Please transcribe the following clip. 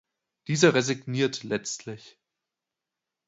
Dieser resigniert letztlich.